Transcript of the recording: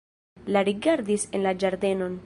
Li rigardis en la ĝardenon.